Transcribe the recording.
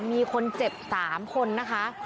มีคนเจ็บ๓คนนะคะ